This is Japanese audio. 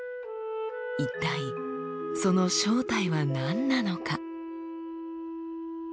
一体その正体は何なのか？